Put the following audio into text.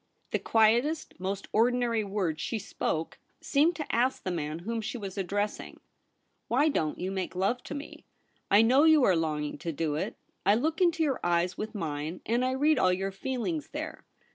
The quietest, most ordinary words she spoke seemed to ask the man whom she was addressing, ' Why don't you make love to me ? I know you are longing to do it. I look into your eyes with mine, and I read all your feelings there.